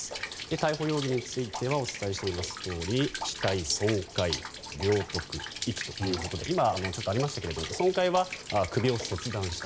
逮捕容疑についてはお伝えしていますとおり死体損壊、領得、遺棄ということで今ありましたが損壊は、首を切断した。